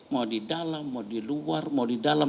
mau di dalam mau di luar mau di dalam